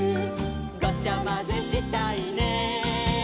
「ごちゃまぜしたいね」